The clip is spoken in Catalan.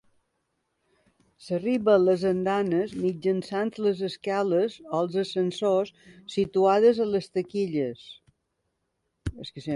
S'arriba a les andanes mitjançant les escales o els ascensors situades a les taquilles.